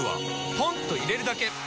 ポンと入れるだけ！